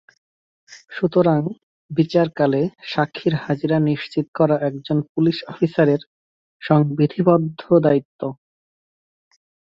সুতরাং, বিচারকালে সাক্ষীর হাজিরা নিশ্চিত করা একজন পুলিশ অফিসারের সংবিধিবদ্ধ দায়িত্ব।